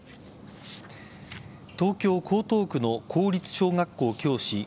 東京・江東区の公立小学校教師